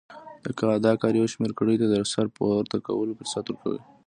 دا کار یو شمېر کړیو ته د سر پورته کولو فرصت ورکړ.